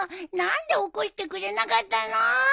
何で起こしてくれなかったの！